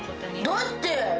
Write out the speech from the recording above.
だって。